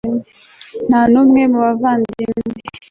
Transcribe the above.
nta nu mwe mu bavandimwe